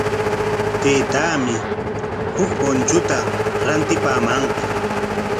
Taytaami huk punchuta rantipamanqa.